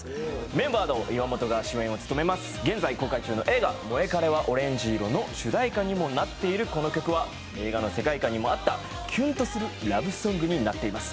メンバーの岩本が主演を務めます、現在出演中の映画「モエカレはオレンジ色」の主題歌にもなっているこの曲は映画の世界観にも合ったキュンとするラブソングになっています